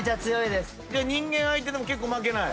人間相手でも結構負けない？